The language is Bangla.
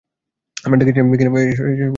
আমরা ডেকেছি কি না এসব কোন ম্যাটার করে না এখন।